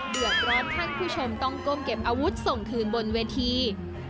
เดือดร้อนท่านผู้ชมต้องก้มเก็บอาวุธส่งคืนบนเวที